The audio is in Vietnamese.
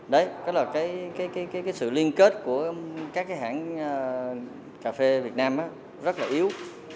đấy là cái sự liên kết của các cái hãng cà phê việt nam rất là yếu